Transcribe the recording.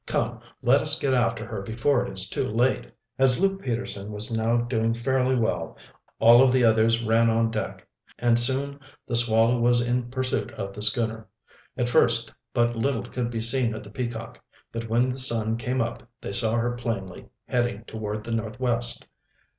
Come, let us get after her before it is too late." As Luke Peterson was now doing fairly well, all of the others ran on deck, and soon the Swallow was in pursuit of the schooner. At first but little could be seen of the Peacock, but when the sun came up they saw her plainly, heading toward the northwest.